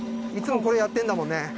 いつもこれやってるんだもんね。